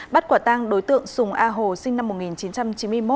bắt quả tang đối tượng sùng a hồ sinh năm một nghìn chín trăm chín mươi một